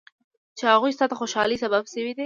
چې هغوی ستا د خوشحالۍ سبب شوي دي.